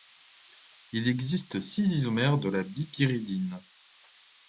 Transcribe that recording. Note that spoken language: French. Il existe six isomères de la bipyridine.